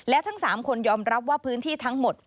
และทั้ง๓คนยอมรับว่าพื้นที่ทั้งหมด